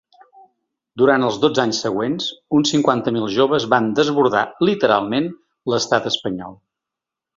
Durant els dotze anys següents, uns cinquanta mil joves van desbordar, literalment, l’estat espanyol.